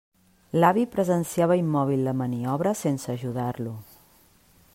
L'avi presenciava immòbil la maniobra, sense ajudar-lo.